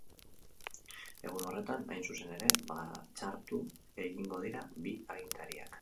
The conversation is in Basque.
Egun horretan, hain zuzen ere, batzartu egingo dira bi agintariak.